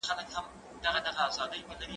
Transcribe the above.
زه به سبا ته فکر وکړم